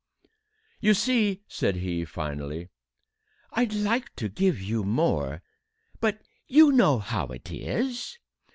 "You see," said he, finally; "I'd like to give you more, but you know how it is